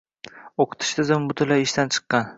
O‘qitish tizimi butunlay ishdan chiqqan.